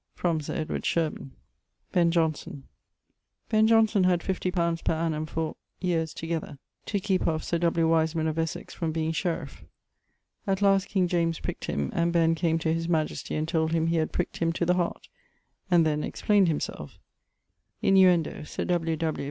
From Sir Edward Shirburn. Ben Johnson: Ben Jonson had 50 li. per annum for ... yeares together to keepe off Sir W. Wiseman of Essex from being sheriff. At last king James prickt him, and Ben came to his majestie and told him he 'had prickt him to the heart' and then explaynd himselfe (innuendo Sir W. W.